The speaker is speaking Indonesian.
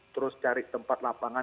terus cari tempat lapangan